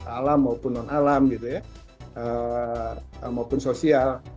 alam maupun non alam gitu ya maupun sosial